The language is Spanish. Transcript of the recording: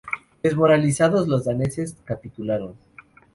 Desmoralizados, los daneses capitularon.